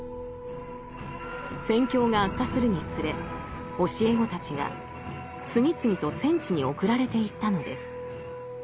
戦況が悪化するにつれ教え子たちが次々と戦地に送られていったのです。